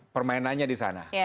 permainannya di sana